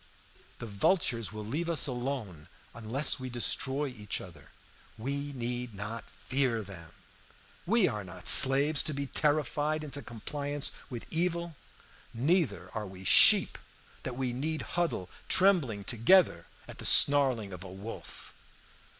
The vultures will leave us alone unless we destroy each other; we need not fear them. We are not slaves to be terrified into compliance with evil, neither are we sheep that we need huddle trembling together at the snarling of a wolf."